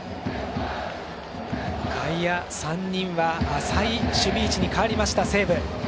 外野３人は浅い守備位置に変わりました西武。